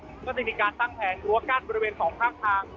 ก็จะเป็นการตั้งแผงหรือว่ากั้นบริเวณสองข้างทาง